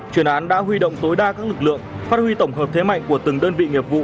chuyên án đã huy động tối đa các lực lượng phát huy tổng hợp thế mạnh của từng đơn vị nghiệp vụ